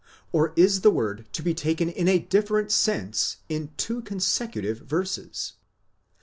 Or is the word to be taken in a different sense in two consecutive verses